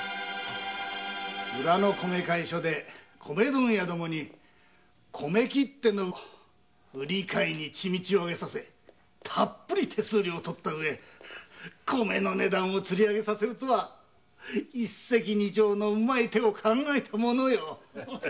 裏の米会所で米問屋どもに米切手の売買に血道をあげさせたっぷり手数料を取ったうえ米の値段をつり上げさせるとは一石二鳥のうまい手を考えたものよ。